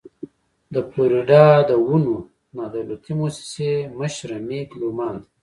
د فلوريډا د ونو د نادولتي مؤسسې مشره مېګ لومان ده.